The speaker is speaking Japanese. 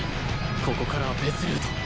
ここからは別ルート